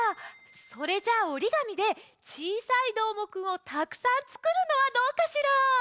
それじゃあおり紙でちいさいどーもくんをたくさんつくるのはどうかしら？